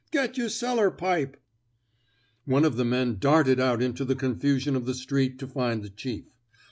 Get yer cellar pipe I One of the men darted out into the confu sion of the street to find the chief.